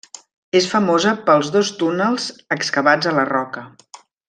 És famosa pels dos túnels excavats a la roca.